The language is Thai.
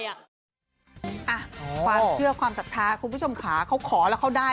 อ่ะความเชื่อความศรัทธาคุณผู้ชมขาเขาขอแล้วเขาได้